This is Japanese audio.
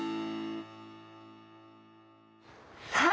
さあ